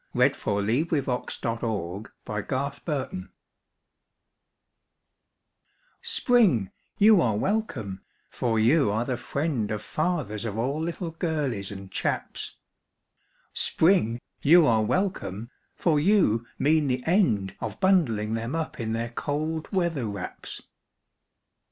WELCOME TO SPRING Spring, you are welcome, for you are the friend of Fathers of all little girlies and chaps. Spring, you are welcome, for you mean the end of Bundling them up in their cold weather wraps.